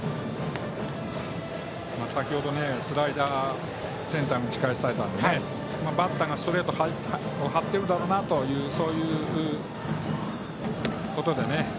先程スライダーをセンターへ打ち返されたのでバッターがストレートに張っているだろうということで。